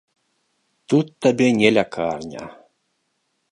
Табе тут не лякарня.